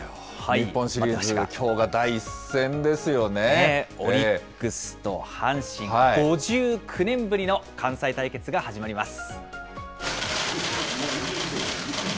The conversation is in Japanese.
日本シリーズ、きょうが第１戦でオリックスと阪神、５９年ぶりの関西対決が始まります。